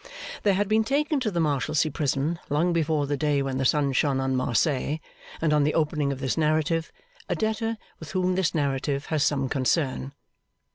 There had been taken to the Marshalsea Prison, long before the day when the sun shone on Marseilles and on the opening of this narrative, a debtor with whom this narrative has some concern.